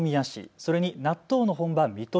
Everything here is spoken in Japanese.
それに納豆の本場、水戸市。